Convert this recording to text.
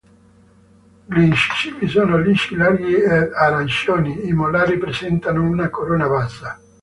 Gli incisivi sono lisci, larghi ed arancioni, i molari presentano una corona bassa.